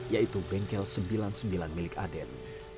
yaitu bengkel sembilan puluh sembilan milik aden